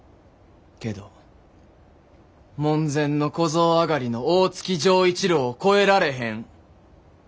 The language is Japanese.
けど門前の小僧上がりの大月錠一郎を超えられへん。